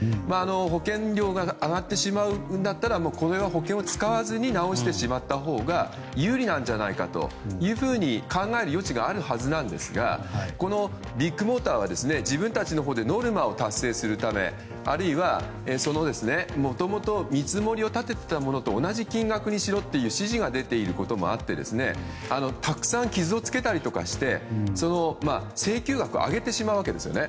保険料が上がってしまうんだったらこれは保険を使わずに直してしまったほうが有利なんじゃないかというふうに考える余地があるはずなんですがこのビッグモーターは自分たちのほうでノルマを達成するためあるいは、もともと見積もりを立てていたものと同じ金額にしろという指示が出ていることもあってたくさん傷をつけたりして請求額を上げてしまうわけですね。